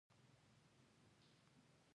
کندز سیند د افغانستان د جغرافیې یوه بېلګه ده.